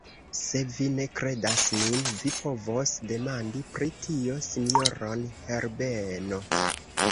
Se vi ne kredas min, vi povos demandi pri tio sinjoron Herbeno.